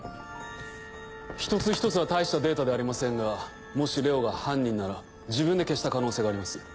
一つ一つは大したデータではありませんがもしＬＥＯが犯人なら自分で消した可能性があります。